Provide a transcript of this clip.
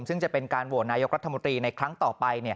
ซึ่งจะเป็นการโหวตนายกรัฐมนตรีในครั้งต่อไป